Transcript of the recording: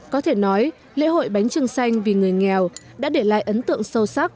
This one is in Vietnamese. có thể nói lễ hội bánh trưng xanh vì người nghèo đã để lại ấn tượng sâu sắc